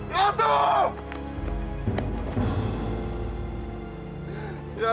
ratu lu ada dimana